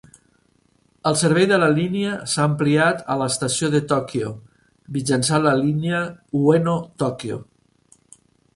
El servei de la línia s'ha ampliat a l'estació de Tòquio, mitjançant la línia Ueno-Tòquio.